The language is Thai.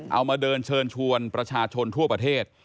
เอามาเดินเชิญชวนประชาชนทั่วประเทศ